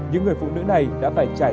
những người phụ nữ này đã phải chạy